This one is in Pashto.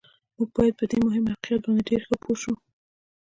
موږ باید په دې مهم واقعیت باندې ډېر ښه پوه شو